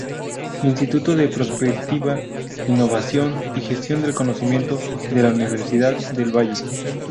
Instituto de Prospectiva, Innovación y Gestión del Conocimiento de a Universidad del Valle.